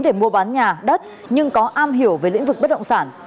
để mua bán nhà đất nhưng có am hiểu về lĩnh vực bất động sản